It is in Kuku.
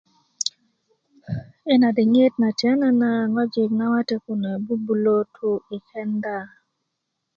i na diŋit na tiyanana ŋojik nawate kune bubulö tu i kenda